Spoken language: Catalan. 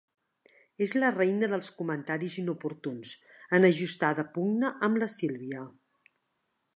És la reina dels comentaris inoportuns, en ajustada pugna amb la Sílvia.